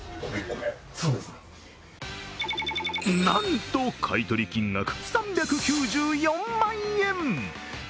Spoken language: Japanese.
なんと買い取り金額、３９４万円！